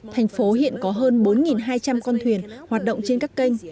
thành phố hiện có hơn bốn hai trăm linh con thuyền hoạt động trên các kênh